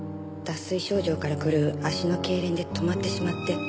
脱水症状からくる足の痙攣で止まってしまって。